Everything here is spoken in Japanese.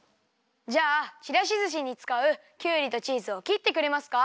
じゃあちらしずしにつかうきゅうりとチーズをきってくれますか？